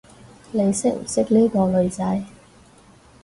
你識唔識呢個女仔？